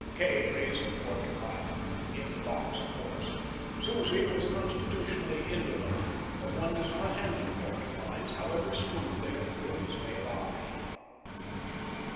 Kay raised the porcupine; in the box, of course. Susie was constitutionally indolent, but one does not handle porcupines, however smooth their quills may lie.